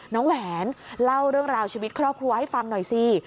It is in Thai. แหวนเล่าเรื่องราวชีวิตครอบครัวให้ฟังหน่อยสิ